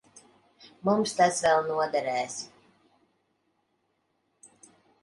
Mums tas vēl noderēs.